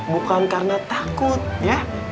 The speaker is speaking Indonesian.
bukan karena takut ya